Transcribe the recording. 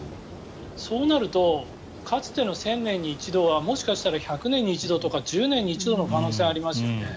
そうなるとかつての１０００年に一度はもしかしたら１００年に一度とか１０年に一度の可能性がありますよね。